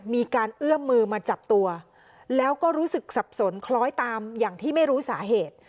มีการเอื้อมมือมาจับตัวแล้วก็รู้สึกสับสนคล้อยตามอย่างที่ไม่รู้สาเหตุ